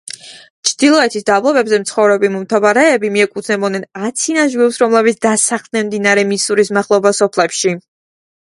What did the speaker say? ჩრდილოეთის დაბლობებზე მცხოვრები მომთაბარეები, მიეკუთვნებოდნენ აცინას ჯგუფს, რომლებიც დასახლდნენ მდინარე მისურის მახლობელ სოფლებში.